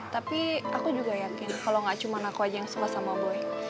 tapi aku juga yakin kalau gak cuma aku aja yang suka sama boy